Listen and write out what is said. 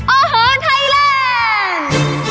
โอ้โหไทยแลนด์